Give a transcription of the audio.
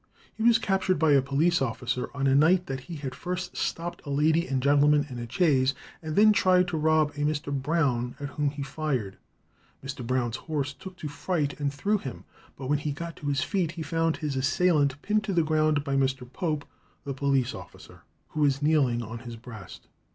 He was captured by a police officer on a night that he had first stopped a lady and gentleman in a chaise, and then tried to rob a Mr. Brown, at whom he fired. Mr. Brown's horse took fright and threw him; but when he got to his feet he found his assailant pinned to the ground by Mr. Pope, the police officer, who was kneeling on his breast.